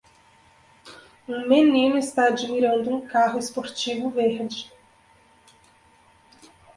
Um menino está admirando um carro esportivo verde.